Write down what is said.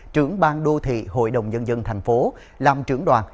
trưởng bang đô thị hội đồng nhân dân thành phố làm trưởng đoàn